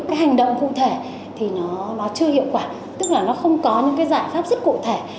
cái hành động cụ thể thì nó chưa hiệu quả tức là nó không có những cái giải pháp rất cụ thể